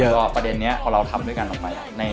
ก็ประเด็นนี้พอเราทำด้วยกันออกไป